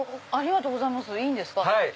ありがとうございますいいんですか。